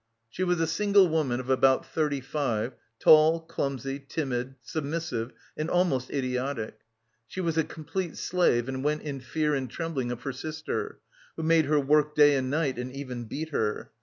She was a single woman of about thirty five, tall, clumsy, timid, submissive and almost idiotic. She was a complete slave and went in fear and trembling of her sister, who made her work day and night, and even beat her.